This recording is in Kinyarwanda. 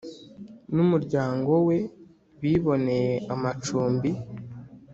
n umuryango we biboneye amacumbi